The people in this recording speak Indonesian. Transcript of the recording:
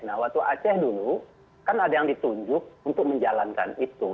nah waktu aceh dulu kan ada yang ditunjuk untuk menjalankan itu